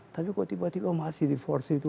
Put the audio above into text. tapi kok tiba tiba masih di force itu